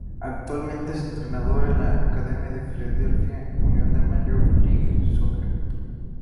Actualmente es entrenador en la academia del Philadelphia Union de la Major League Soccer.